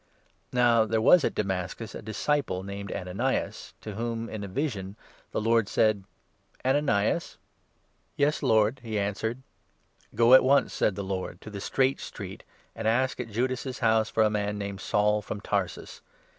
u| Now there was at Damascus a disciple named 10 at Ananias, to whom, in a vision, the Lord said : Damascus. "Ananias." " Yes, Lord," he answered. " Go at once," said the Lord, " to the ' Straight Street ', and n ask at Judas's house for a man named Saul, from Tarsus.